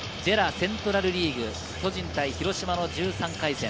セントラルリーグ、巨人対広島の１３回戦。